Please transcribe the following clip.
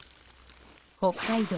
北海道